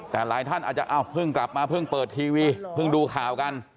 แต่หลายท่านอาจจะอ้าวเพิ่งกลับมาเพิ่งเปิดทีวีเพิ่งดูข่าวกัน